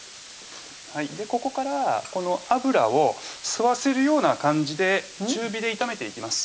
ここからこの油を吸わせるような感じで中火で炒めていきます